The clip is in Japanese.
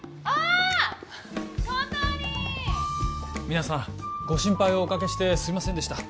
皆さんご心配をおかけしてすいませんでした